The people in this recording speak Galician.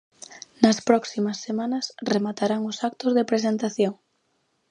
Nas próximas semanas rematarán os actos de presentación.